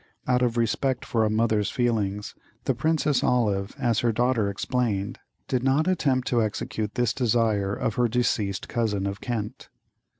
Out of respect for a mother's feelings, the "Princess Olive," as her daughter explained, did not attempt to execute this desire of her deceased cousin of Kent.